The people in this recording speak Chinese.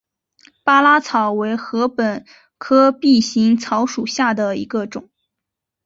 巴拉草为禾本科臂形草属下的一个种。